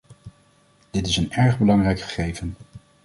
Dit is een erg belangrijk gegeven.